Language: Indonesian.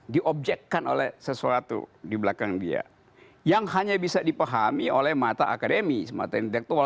diobjekkan oleh sesuatu di belakang dia yang hanya bisa dipahami oleh mata akademis mata intelektual